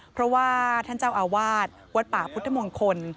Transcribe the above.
เพราะว่าท่านเจ้าอาวาสวัดป่าพุทธมงคล